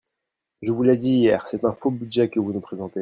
Je vous l’ai dit hier, c’est un faux budget que vous nous présentez.